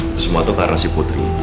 itu semua itu karena si putri